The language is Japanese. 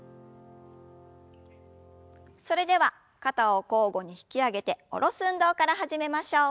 それでは肩を交互に引き上げて下ろす運動から始めましょう。